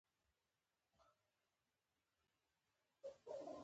طبیعي زیرمه مه ختموه.